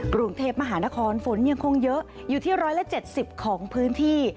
กรุงเทพมหานครฝนยังคงเยอะอยู่ที่๑๗๐ของพื้นที่